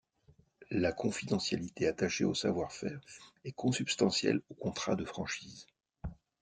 La confidentialité attachée au savoir-faire est consubstantielle au contrat de franchise.